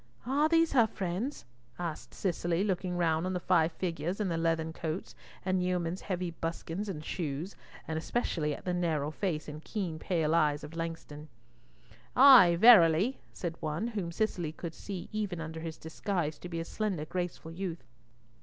"Are these her friends?" asked Cicely, looking round on the five figures in the leathern coats and yeomen's heavy buskins and shoes, and especially at the narrow face and keen pale eyes of Langston. "Ay, verily," said one, whom Cicely could see even under his disguise to be a slender, graceful youth.